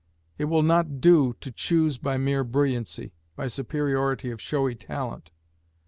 It will not do to choose by mere brilliancy by superiority of showy talent.